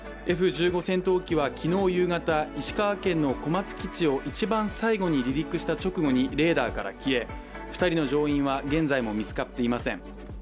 Ｆ１５戦闘機は昨日夕方石川県の小松基地をいちばん最後に離陸した直後にレーダーから消え２人の乗員は現在も見つかっていません。